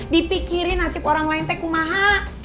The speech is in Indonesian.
dipikirin nasib orang lain teh kumaha